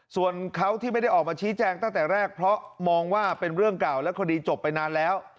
ส่วนเขาที่ไม่ได้ออกมาชี้แจงตั้งแต่แรกเพราะมองว่าเป็นเรื่องเก่าและคดีจบไปนานแล้ว